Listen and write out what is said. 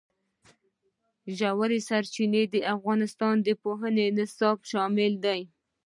ژورې سرچینې د افغانستان د پوهنې نصاب کې شامل دي.